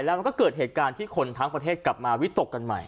แล้วมันก็เกิดเหตุการณ์ที่คนทั้งประเทศกลับมาวิตกกันใหม่